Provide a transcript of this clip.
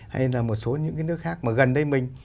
hay là một số những cái nước khác mà gần đây mình